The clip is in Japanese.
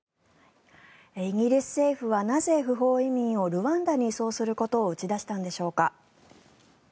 イギリス政府はなぜ、不法移民をルワンダに移送することを打ち出したんでしょうか。